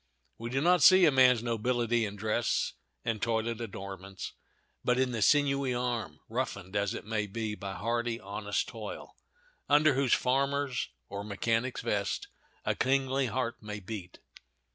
We do not see a man's nobility in dress and toilet adornments, but in the sinewy arm, roughened, it may be, by hardy, honest toil under whose farmer's or mechanic's vest a kingly heart may beat.